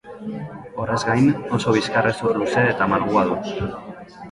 Horrez gain, oso bizkarrezur luze eta malgua du.